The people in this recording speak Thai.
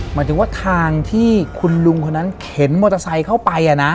หมายถึงว่าทางที่คุณลุงคนนั้นเข็นมอเตอร์ไซค์เข้าไป